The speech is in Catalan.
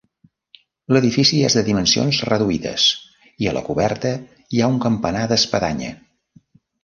L'edifici és de dimensions reduïdes i a la coberta hi ha un campanar d'espadanya.